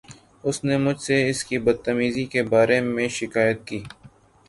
اُس نے مجھ سے اس کی بد تمیزی کے بارے میں شکایت کی۔